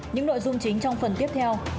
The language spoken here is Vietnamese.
những nội dung chính trong phần tiếp theo